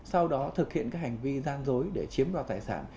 sau đó thực hiện các hành vi gian dối để chiếm đoạt tài sản